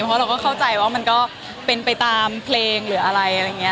เพราะเราก็เข้าใจว่ามันก็เป็นไปตามเพลงหรืออะไรอะไรอย่างนี้